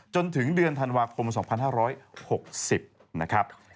จนถึงเดือนธันวาคม๒๕๖๐นะครับ